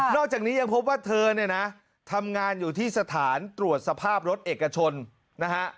อกจากนี้ยังพบว่าเธอเนี่ยนะทำงานอยู่ที่สถานตรวจสภาพรถเอกชนนะฮะ